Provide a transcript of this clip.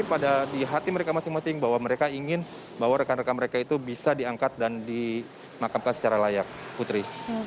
jadi pada hati mereka masing masing bahwa mereka ingin bahwa rekan rekan mereka itu bisa diangkat dan dimakamkan secara layak putri